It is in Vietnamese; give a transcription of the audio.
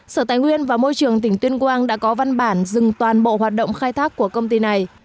sở tài nguyên và môi trường tỉnh tuyên quang đã có văn bản dừng toàn bộ hoạt động khai thác của công ty này